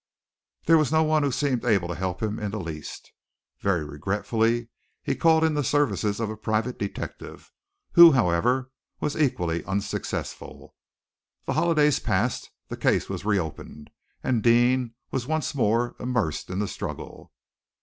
There was no one who seemed able to help him in the least. Very regretfully, he called in the services of a private detective, who, however, was equally unsuccessful. The holidays passed, the case was reopened, and Deane was once more immersed in the struggle....